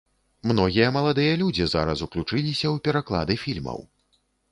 Многія маладыя людзі зараз уключыліся ў пераклады фільмаў.